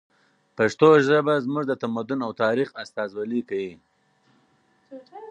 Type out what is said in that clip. پښتو ژبه زموږ د تمدن او تاریخ استازولي کوي.